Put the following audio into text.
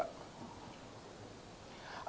apakah dalam penyidikan itu pak